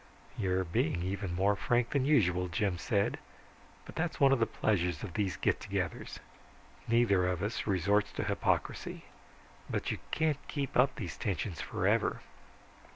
"You're being even more frank than usual," Jim said. "But that's one of the pleasures of these get togethers, neither of us resorts to hypocrisy. But you can't keep up these tensions forever."